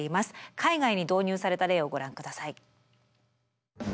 海外に導入された例をご覧ください。